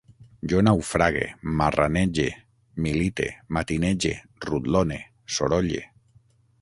Jo naufrague, marranege, milite, matinege, rutlone, sorolle